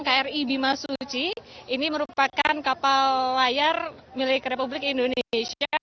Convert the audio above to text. hari armada iri bimasuci ini merupakan kapal layar milik republik indonesia